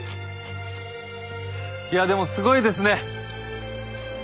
いやあでもすごいですね。